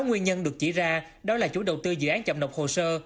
sáu nguyên nhân được chỉ ra đó là chủ đầu tư dự án chậm nộp hồ sơ